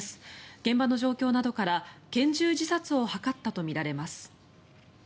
現場の状況などから拳銃自殺を図ったとみられます。